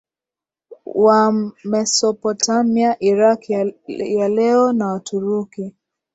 wa Mesopotamia Iraq ya leo na Waturuki